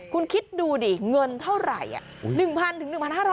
คุณคิดดูดิเงินเท่าไหร่